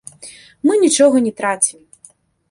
Мы нічога не трацім.